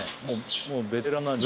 もうベテラン。